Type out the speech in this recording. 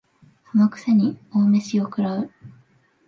その癖に大飯を食う